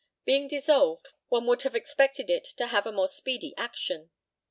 Being dissolved, one would have expected it to have a more speedy action.